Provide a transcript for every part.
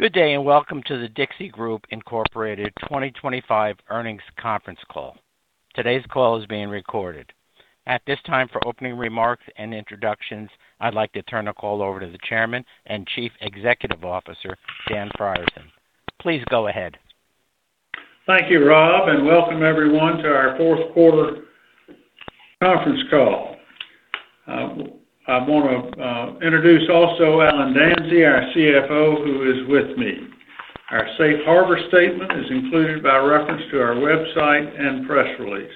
Good day, and welcome to The Dixie Group, Inc. 2025 earnings conference call. Today's call is being recorded. At this time, for opening remarks and introductions, I'd like to turn the call over to the Chairman and Chief Executive Officer, Dan Frierson. Please go ahead. Thank you, Rob, and welcome everyone to our fourth quarter conference call. I wanna introduce also Allen Danzey, our CFO, who is with me. Our Safe Harbor statement is included by reference to our website and press release.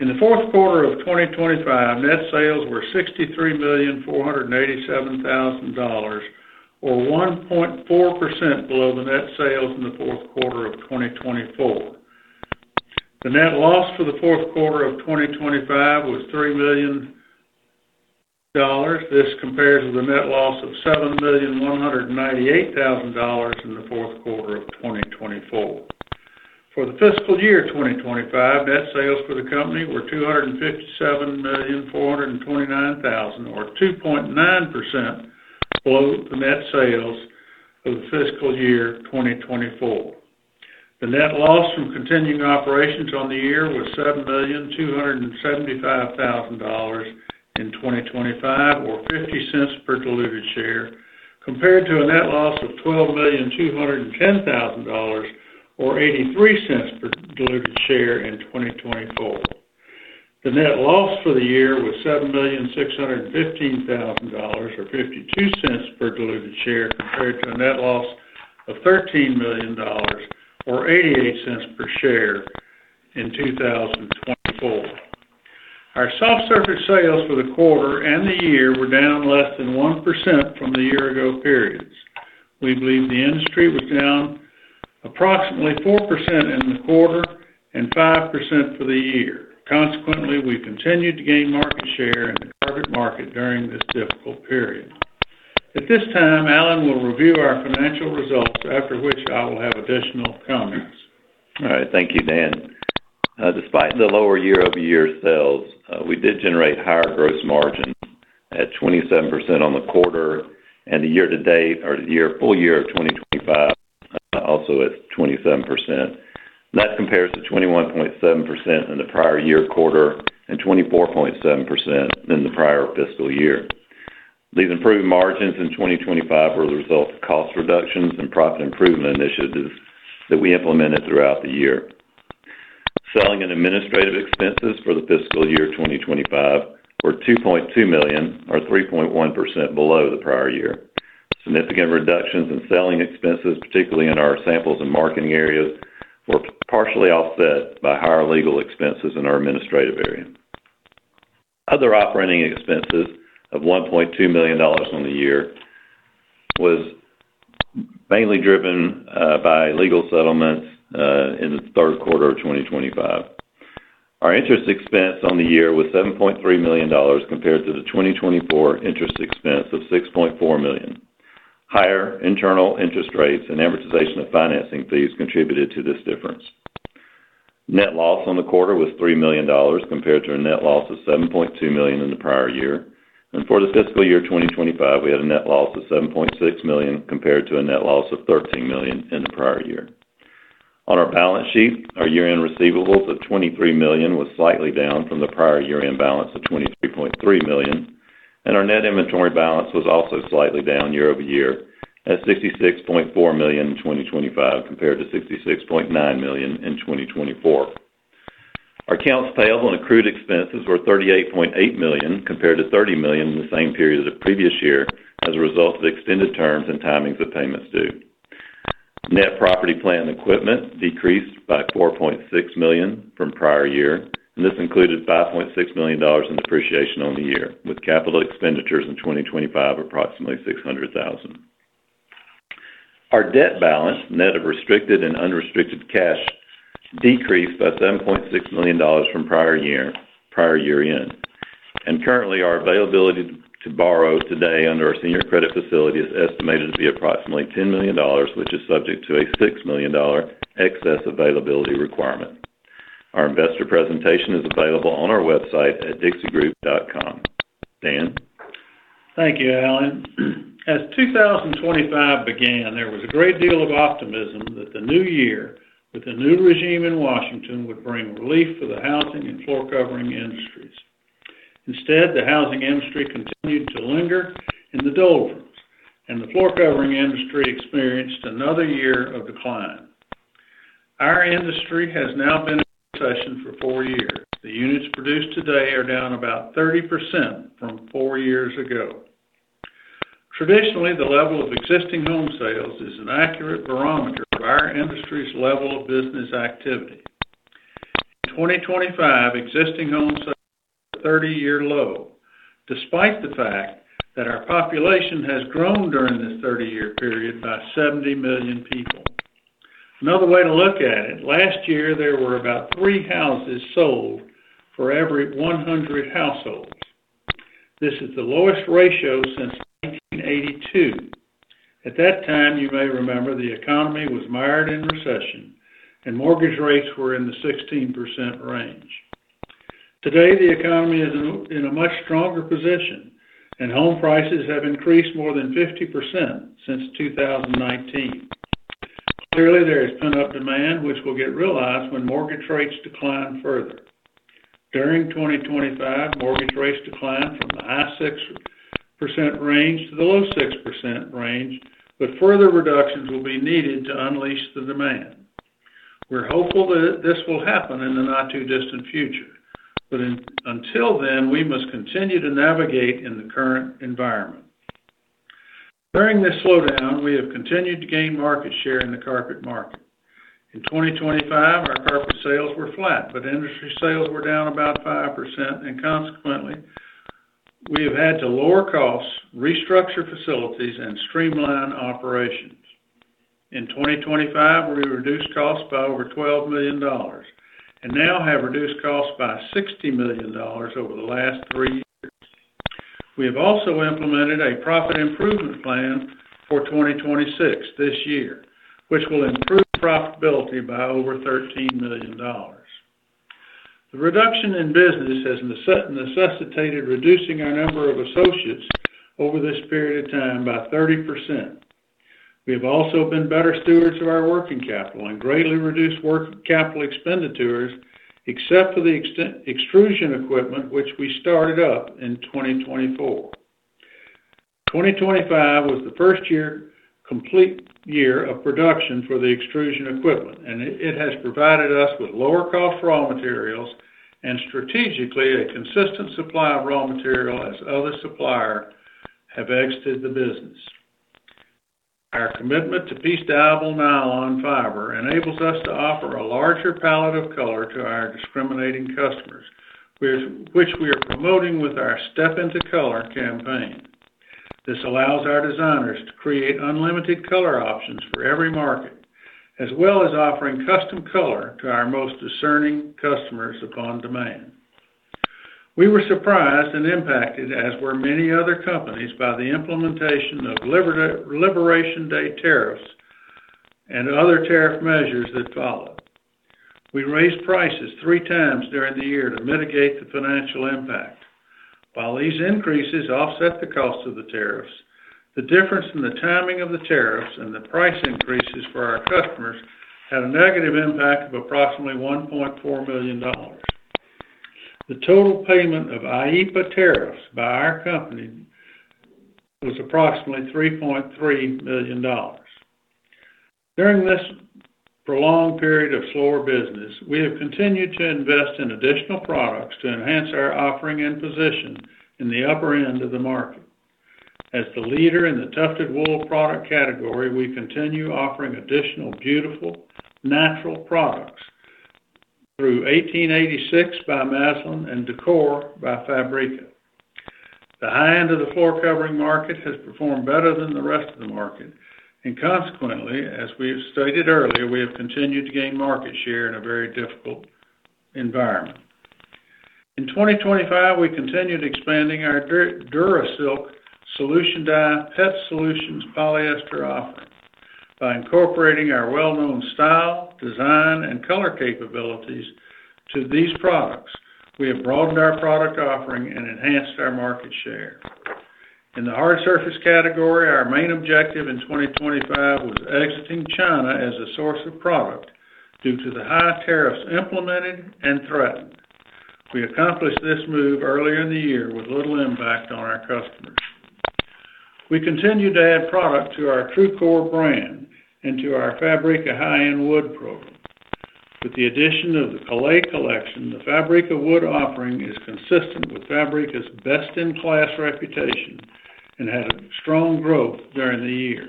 In the fourth quarter of 2025, net sales were $63,487,000 or 1.4% below the net sales in the fourth quarter of 2024. The net loss for the fourth quarter of 2025 was $3 million. This compares to the net loss of $7,198,000 in the fourth quarter of 2024. For the fiscal year 2025, net sales for the company were $257,429,000, or 2.9% below the net sales of the fiscal year 2024. The net loss from continuing operations on the year was $7,275,000 in 2025 or $0.50 per diluted share compared to a net loss of $12,210,000 or $0.83 per diluted share in 2024. The net loss for the year was $7,615,000 or $0.52 per diluted share compared to a net loss of $13,000,000 or $0.88 per share in 2024. Our soft surface sales for the quarter and the year were down less than 1% from the year ago periods. We believe the industry was down approximately 4% in the quarter and 5% for the year. Consequently, we continued to gain market share in the carpet market during this difficult period. At this time, Allen will review our financial results, after which I will have additional comments. All right. Thank you, Dan. Despite the lower year-over-year sales, we did generate higher gross margins at 27% on the quarter and the year-to-date or full year of 2025 also at 27%. That compares to 21.7% in the prior year quarter and 24.7% in the prior fiscal year. These improved margins in 2025 were the result of cost reductions and profit improvement initiatives that we implemented throughout the year. Selling and administrative expenses for the fiscal year 2025 were $2.2 million or 3.1% below the prior year. Significant reductions in selling expenses, particularly in our samples and marketing areas, were partially offset by higher legal expenses in our administrative area. Other operating expenses of $1.2 million on the year was mainly driven by legal settlements in the third quarter of 2025. Our interest expense on the year was $7.3 million compared to the 2024 interest expense of $6.4 million. Higher internal interest rates and amortization of financing fees contributed to this difference. Net loss on the quarter was $3 million compared to a net loss of $7.2 million in the prior year. For the fiscal year 2025, we had a net loss of $7.6 million compared to a net loss of $13 million in the prior year. On our balance sheet, our year-end receivables of $23 million was slightly down from the prior year-end balance of $23.3 million, and our net inventory balance was also slightly down year-over-year at $66.4 million in 2025 compared to $66.9 million in 2024. Our accounts payable and accrued expenses were $38.8 million compared to $30 million in the same period of the previous year as a result of extended terms and timings of payments due. Net property plant equipment decreased by $4.6 million from prior year, and this included $5.6 million in depreciation on the year, with capital expenditures in 2025 approximately $600,000. Our debt balance, net of restricted and unrestricted cash, decreased by $7.6 million from prior year-end. Currently, our availability to borrow today under our senior credit facility is estimated to be approximately $10 million, which is subject to a $6 million excess availability requirement. Our Investor Presentation is available on our website at dixiegroup.com. Dan? Thank you, Allen. As 2025 began, there was a great deal of optimism that the new year with the new regime in Washington would bring relief to the housing and floor covering industries. Instead, the housing industry continued to linger in the doldrums, and the floor covering industry experienced another year of decline. Our industry has now been in recession for four years. The units produced today are down about 30% from four years ago. Traditionally, the level of existing home sales is an accurate barometer of our industry's level of business activity. In 2025, existing home sales were at a 30-year low, despite the fact that our population has grown during this 30-year period by 70 million people. Another way to look at it, last year, there were about three houses sold for every 100 households. This is the lowest ratio since 1982. At that time, you may remember the economy was mired in recession and mortgage rates were in the 16% range. Today, the economy is in a much stronger position, and home prices have increased more than 50% since 2019. Clearly, there is pent-up demand, which will get realized when mortgage rates decline further. During 2025, mortgage rates declined from the high 6% range to the low 6% range, but further reductions will be needed to unleash the demand. We're hopeful that this will happen in the not too distant future. Until then, we must continue to navigate in the current environment. During this slowdown, we have continued to gain market share in the carpet market. In 2025, our carpet sales were flat, but industry sales were down about 5%, and consequently, we have had to lower costs, restructure facilities, and streamline operations. In 2025, we reduced costs by over $12 million and now have reduced costs by $60 million over the last three years. We have also implemented a profit improvement plan for 2026, this year, which will improve profitability by over $13 million. The reduction in business has necessitated reducing our number of associates over this period of time by 30%. We have also been better stewards of our working capital and greatly reduced working capital expenditures, except for the extrusion equipment, which we started up in 2024. 2025 was the first complete year of production for the extrusion equipment, and it has provided us with lower-cost raw materials and strategically a consistent supply of raw material as other suppliers have exited the business. Our commitment to best available nylon fiber enables us to offer a larger palette of color to our discriminating customers, which we are promoting with our Step into Color campaign. This allows our designers to create unlimited color options for every market, as well as offering custom color to our most discerning customers upon demand. We were surprised and impacted, as were many other companies, by the implementation of Liberation Day tariffs and other tariff measures that followed. We raised prices 3x during the year to mitigate the financial impact. While these increases offset the cost of the tariffs, the difference in the timing of the tariffs and the price increases for our customers had a negative impact of approximately $1.4 million. The total payment of IEEPA tariffs by our company was approximately $3.3 million. During this prolonged period of slower business, we have continued to invest in additional products to enhance our offering and position in the upper end of the market. As the leader in the tufted wool product category, we continue offering additional beautiful natural products through 1866 by Masland and Décor by Fabrica. The high-end of the floorcovering market has performed better than the rest of the market, and consequently, as we have stated earlier, we have continued to gain market share in a very difficult environment. In 2025, we continued expanding our DuraSilk solution-dyed PET solutions polyester offering. By incorporating our well-known style, design, and color capabilities to these products, we have broadened our product offering and enhanced our market share. In the hard surface category, our main objective in 2025 was exiting China as a source of product due to the high tariffs implemented and threatened. We accomplished this move earlier in the year with little impact on our customers. We continued to add product to our TruCor brand into our Fabrica high-end wood program. With the addition of the Calais collection, the Fabrica wood offering is consistent with Fabrica's best-in-class reputation and had a strong growth during the year.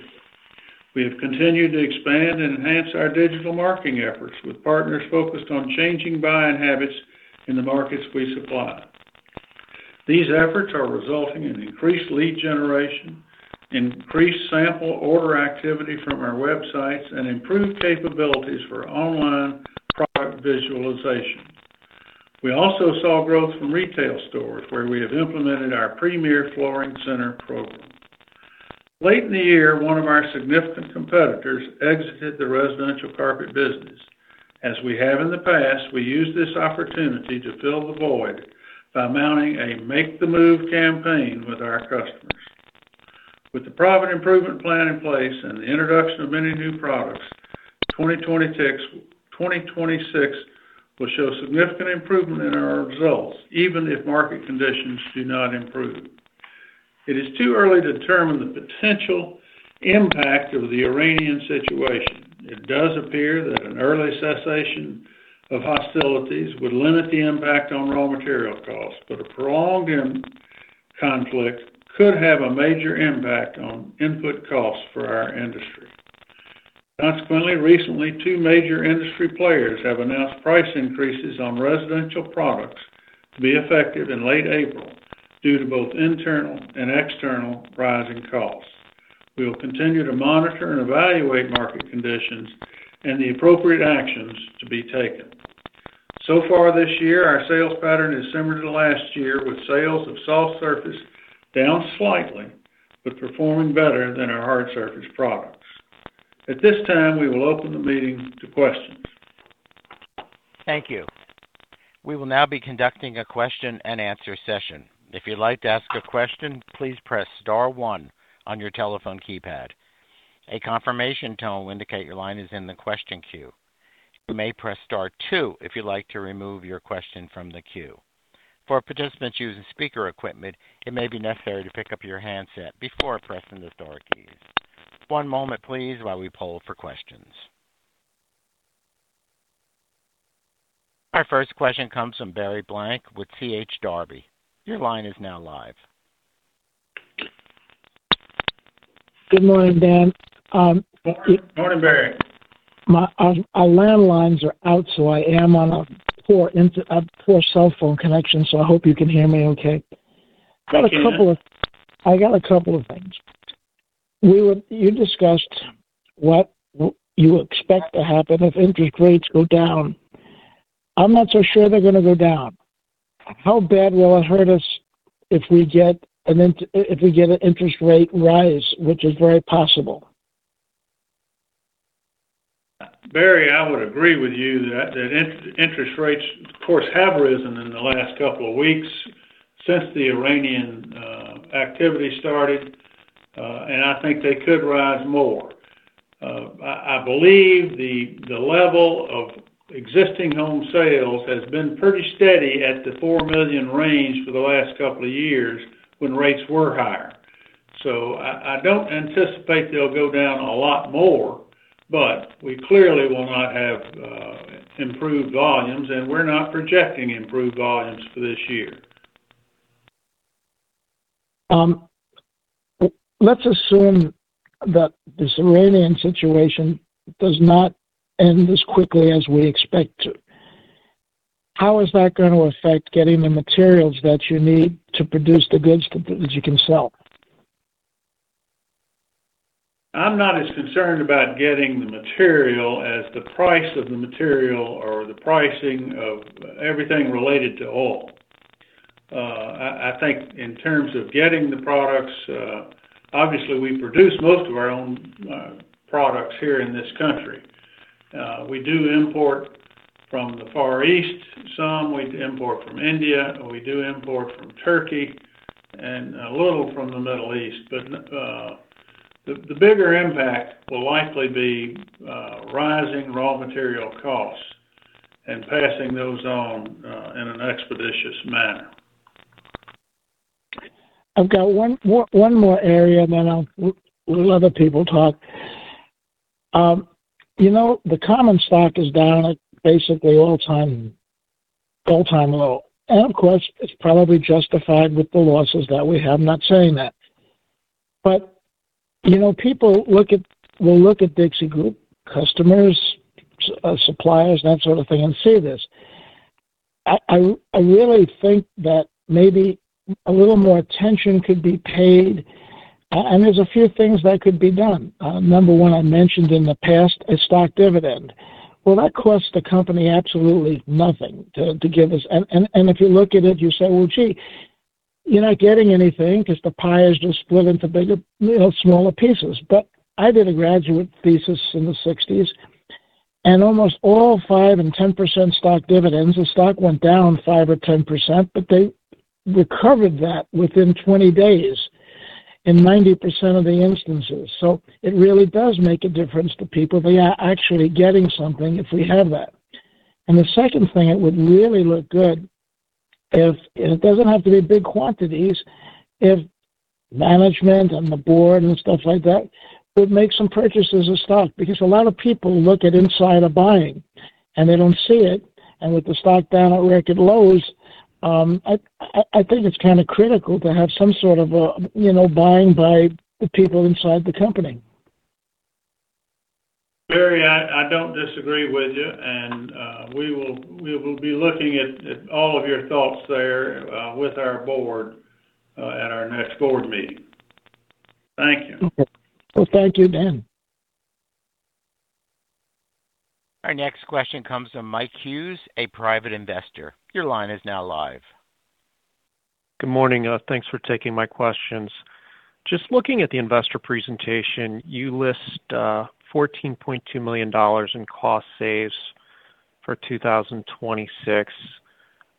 We have continued to expand and enhance our digital marketing efforts with partners focused on changing buying habits in the markets we supply. These efforts are resulting in increased lead generation, increased sample order activity from our websites, and improved capabilities for online product visualizations. We also saw growth from retail stores where we have implemented our Premier Flooring Center program. Late in the year, one of our significant competitors exited the residential carpet business. As we have in the past, we used this opportunity to fill the void by mounting a Make the Move campaign with our customers. With the proven improvement plan in place and the introduction of many new products, 2026 will show significant improvement in our results, even if market conditions do not improve. It is too early to determine the potential impact of the Iranian situation. It does appear that an early cessation of hostilities would limit the impact on raw material costs, but a prolonged conflict could have a major impact on input costs for our industry. Consequently, recently, two major industry players have announced price increases on residential products to be effective in late April due to both internal and external rising costs. We will continue to monitor and evaluate market conditions and the appropriate actions to be taken. So far this year, our sales pattern is similar to last year, with sales of soft surface down slightly, but performing better than our hard surface products. At this time, we will open the meeting to questions. Thank you. We will now be conducting a question and answer session. If you'd like to ask a question, please press star one on your telephone keypad. A confirmation tone will indicate your line is in the question queue. You may press star two if you'd like to remove your question from the queue. For participants using speaker equipment, it may be necessary to pick up your handset before pressing the star keys. One moment please while we poll for questions. Our first question comes from Barry Blank with J.H. Darbie & Co., Inc. Your line is now live. Good morning, Dan. Morning, Barry. Our landlines are out, so I am on a poor cell phone connection, so I hope you can hear me okay. We can. I got a couple of things. You discussed what you expect to happen if interest rates go down. I'm not so sure they're gonna go down. How bad will it hurt us if we get an interest rate rise, which is very possible? Barry, I would agree with you that interest rates, of course, have risen in the last couple of weeks since the Iran situation started, and I think they could rise more. I believe the level of existing home sales has been pretty steady at the 4 million range for the last couple of years when rates were higher. I don't anticipate they'll go down a lot more, but we clearly will not have improved volumes, and we're not projecting improved volumes for this year. Let's assume that this Iran situation does not end as quickly as we expect to. How is that gonna affect getting the materials that you need to produce the goods that you can sell? I'm not as concerned about getting the material as the price of the material or the pricing of everything related to oil. I think in terms of getting the products, obviously we produce most of our own products here in this country. We do import from the Far East some, we import from India, and we do import from Turkey, and a little from the Middle East. But the bigger impact will likely be rising raw material costs and passing those on in an expeditious manner. I've got one more area, and then I'll let other people talk. You know, the common stock is down at basically all-time low. Of course, it's probably justified with the losses that we have. I'm not saying that. You know, people will look at The Dixie Group customers, suppliers, that sort of thing, and see this. I really think that maybe a little more attention could be paid, and there's a few things that could be done. Number one, I mentioned in the past, a stock dividend. Well, that costs the company absolutely nothing to give us. If you look at it, you say, "Well, gee, you're not getting anything 'cause the pie is just split into bigger, you know, smaller pieces." I did a graduate thesis in the 60s, and almost all 5% and 10% stock dividends, the stock went down 5% or 10%, but they recovered that within 20 days in 90% of the instances. It really does make a difference to people. They are actually getting something if we have that. The second thing, it would really look good if, and it doesn't have to be big quantities, if Management and the Board and stuff like that would make some purchases of stock. Because a lot of people look at insider buying, and they don't see it. With the stock down at record lows, I think it's kinda critical to have some sort of a, you know, buying by the people inside the company. Barry, I don't disagree with you, and we will be looking at all of your thoughts there with our Board at our next Board Meeting. Thank you. Okay. Well, thank you, Dan. Our next question comes from Mike Hughes, Private Investor. Your line is now live. Good morning. Thanks for taking my questions. Just looking at the Investor Presentation, you list $14.2 million in cost savings for 2026.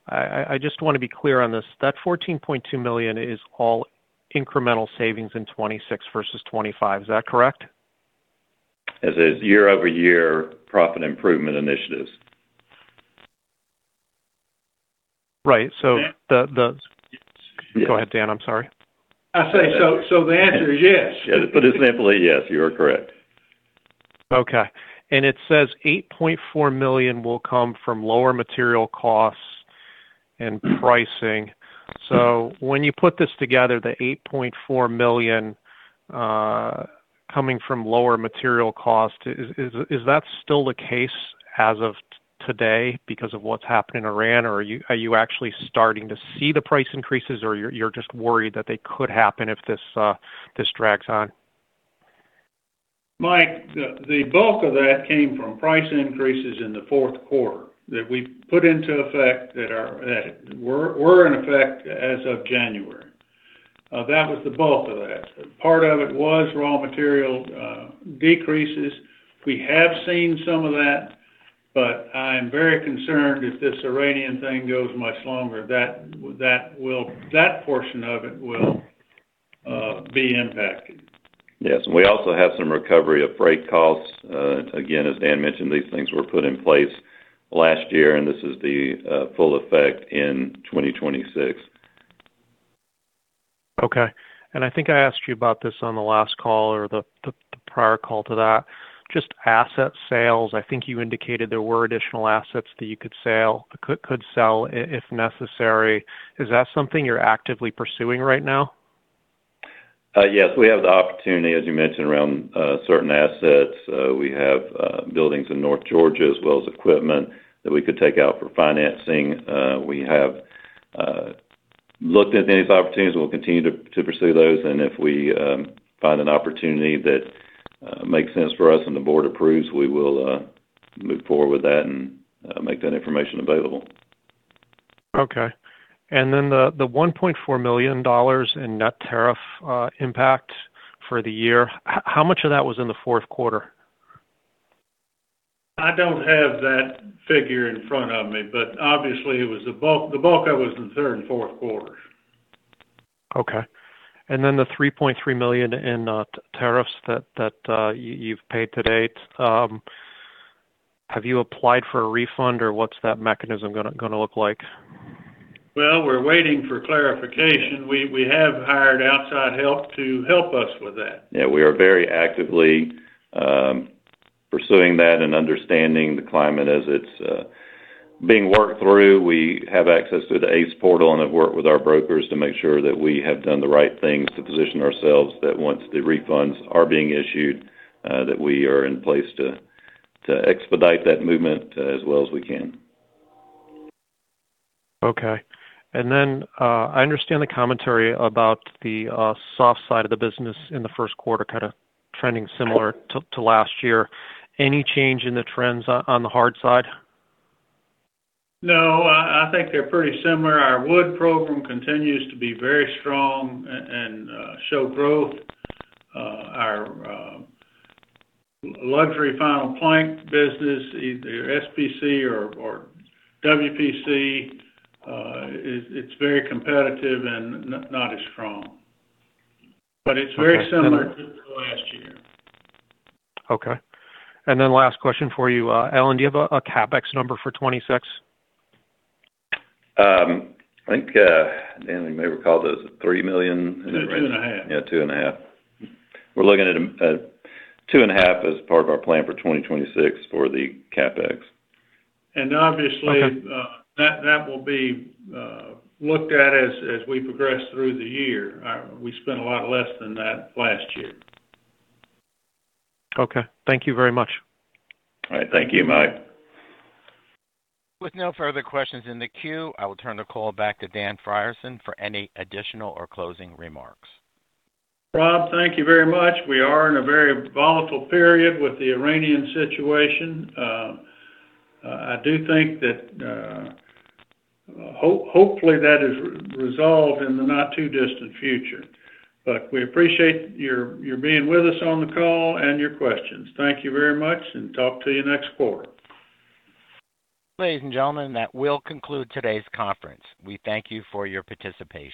I just wanna be clear on this. That $14.2 million is all incremental savings in 2026 versus 2025. Is that correct? It is year-over-year profit improvement initiatives. Right. So the Yeah. Go ahead, Dan. I'm sorry. I say so the answer is yes. To put it simply, yes, you are correct. Okay. It says $8.4 million will come from lower material costs and pricing. When you put this together, the $8.4 million coming from lower material cost, is that still the case as of today because of what's happened in Iran, or are you actually starting to see the price increases, or you're just worried that they could happen if this drags on? Mike, the bulk of that came from price increases in the fourth quarter that we put into effect that were in effect as of January. That was the bulk of that. Part of it was raw material decreases. We have seen some of that, but I'm very concerned if this Iran situation goes much longer, that portion of it will be impacted. Yes. We also have some recovery of freight costs. Again, as Dan mentioned, these things were put in place last year, and this is the full effect in 2026. Okay. I think I asked you about this on the last call or the prior call to that. Just asset sales, I think you indicated there were additional assets that you could sell if necessary. Is that something you're actively pursuing right now? Yes. We have the opportunity, as you mentioned, around certain assets. We have buildings in North Georgia as well as equipment that we could take out for financing. We have looked at these opportunities. We'll continue to pursue those, and if we find an opportunity that makes sense for us and the board approves, we will move forward with that and make that information available. Okay. The $1.4 million in net tariff impact for the year, how much of that was in the fourth quarter? I don't have that figure in front of me, but obviously, it was the bulk. The bulk of it was the third and fourth quarters. Okay. The $3.3 million in tariffs that you've paid to-date, have you applied for a refund, or what's that mechanism gonna look like? Well, we're waiting for clarification. We have hired outside help to help us with that. Yeah, we are very actively pursuing that and understanding the climate as it's being worked through. We have access to the ACE Portal and have worked with our brokers to make sure that we have done the right things to position ourselves that once the refunds are being issued, that we are in place to expedite that movement as well as we can. Okay. I understand the commentary about the soft side of the business in the first quarter kinda trending similar to last year. Any change in the trends on the hard side? No, I think they're pretty similar. Our wood program continues to be very strong and show growth. Our luxury vinyl plank business, either SPC or WPC, it's very competitive and not as strong. It's very similar to last year. Okay. Last question for you, Allen. Do you have a CapEx number for 2026? I think, Dan, you may recall. Is it $3 million? Is that right? No, $2.5 million. Yeah, $2.5 million. We're looking at $2.5 million as part of our plan for 2026 for the CapEx. Obviously. Okay That will be looked at as we progress through the year. We spent a lot less than that last year. Okay. Thank you very much. All right. Thank you, Mike. With no further questions in the queue, I will turn the call back to Dan Frierson for any additional or closing remarks. Rob, thank you very much. We are in a very volatile period with the Iran situation. I do think that hopefully that is resolved in the not too distant future. We appreciate your being with us on the call and your questions. Thank you very much, and talk to you next quarter. Ladies and gentlemen, that will conclude today's conference. We thank you for your participation.